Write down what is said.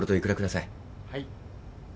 はい。